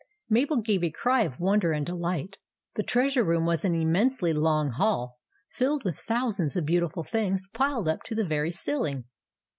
Mabel gave a cry of wonder and delight. The Treasure Room was an immensely long hall, filled with thousands of beautiful things piled up to the very ceiling.